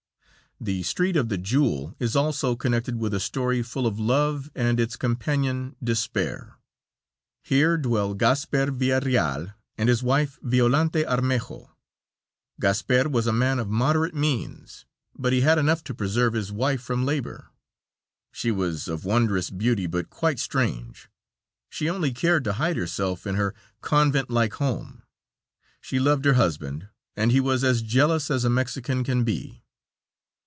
The Street of the Jewel is also connected with a story full of love and its companion, despair. Here dwelled Gasper Villareal and his wife, Violante Armejo. Gasper was a man of moderate means, but he had enough to preserve his wife from labor. She was of wondrous beauty but quite strange, she only cared to hide herself in her convent like home. She loved her husband, and he was as jealous as a Mexican can be.